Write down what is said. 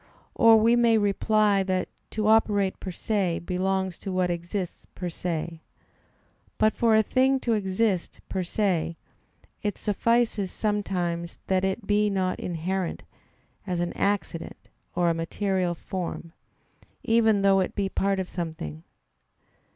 Or we may reply that to operate per se belongs to what exists per se. But for a thing to exist per se, it suffices sometimes that it be not inherent, as an accident or a material form; even though it be part of something.